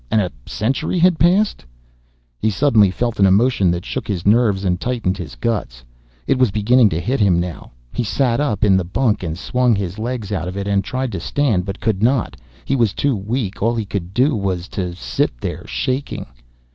And a century had passed He suddenly felt an emotion that shook his nerves and tightened his guts. It was beginning to hit him now. He sat up in the bunk and swung his legs out of it and tried to stand but could not, he was too weak. All he could do was to sit there, shaking.